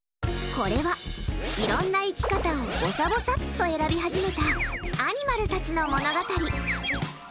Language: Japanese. これは、いろんな生き方をぼさぼさっと選び始めたアニマルたちの物語。